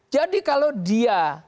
jadi kalau dia